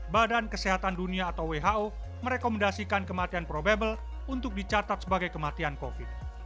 badan kesehatan dunia atau who merekomendasikan kematian probable untuk dicatat sebagai kematian covid